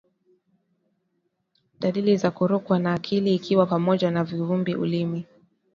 Dalili za kurukwa na akili ikiwa pamoja na kuvimba ulimi